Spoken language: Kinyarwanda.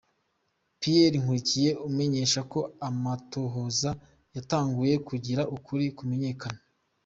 Pierre Nkurikiye amenyesha ko amatohoza yatanguye kugira ukuri kumenyekane.